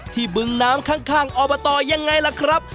ที่บึงน้ำข้างออกมาต่อยังไงล่ะครับ